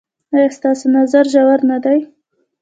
ایا ستاسو نظر ژور نه دی؟